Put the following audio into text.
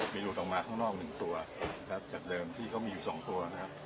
มีหลุดออกมาข้างนอกหนึ่งตัวนะครับจากเดิมที่เขามีอยู่สองตัวนะครับ